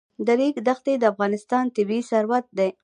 د ریګ دښتې د افغانستان طبعي ثروت دی.